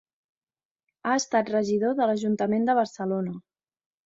Ha estat regidor de l'Ajuntament de Barcelona.